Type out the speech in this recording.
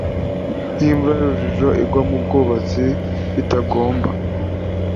nk imvura y urujojo igwa mu byatsi bitagomba